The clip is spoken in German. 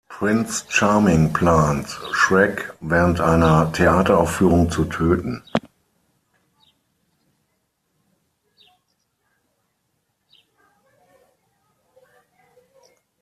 Prinz Charming plant, Shrek während einer Theateraufführung zu töten.